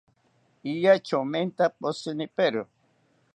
Iya chomenta poshinipero